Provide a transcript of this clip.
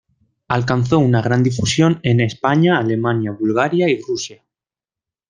Alcanzó una gran difusión en España, Alemania, Bulgaria y Rusia.